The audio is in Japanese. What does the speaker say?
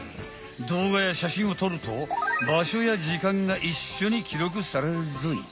どうがや写真を撮ると場所や時間がいっしょにきろくされるぞい。